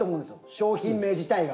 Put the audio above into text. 商品名自体が。